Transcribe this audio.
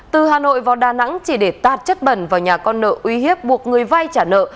từ hà nội vào đà nẵng chỉ để tạt chất bẩn vào nhà con nợ uy hiếp buộc người vay trả nợ